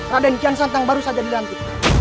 raden kian santang baru saja dilantik